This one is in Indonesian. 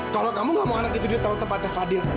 kalau kamu gak mau anak itu di atas tempatnya fadil